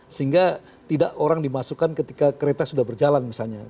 sehingga tidak orang dimasukkan ketika kereta sudah berjalan misalnya